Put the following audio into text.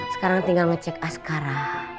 sekarang tinggal ngecek askara